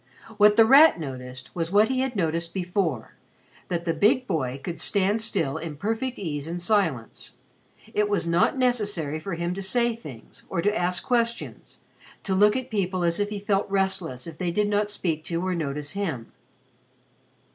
What The Rat noticed was what he had noticed before that the big boy could stand still in perfect ease and silence. It was not necessary for him to say things or to ask questions to look at people as if he felt restless if they did not speak to or notice him.